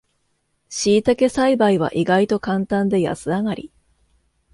しいたけ栽培は意外とカンタンで安上がり